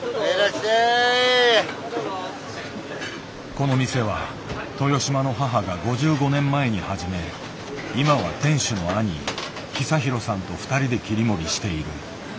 この店は豊島の母が５５年前に始め今は店主の兄久博さんと２人で切り盛りしている。